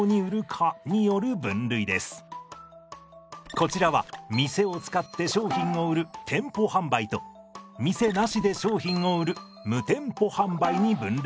こちらは店を使って商品を売る店舗販売と店なしで商品を売る無店舗販売に分類されます。